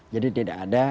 jadi tidak ada